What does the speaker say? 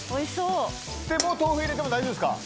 もう豆腐入れても大丈夫ですか？